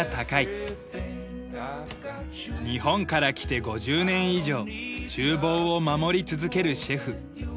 日本から来て５０年以上厨房を守り続けるシェフ。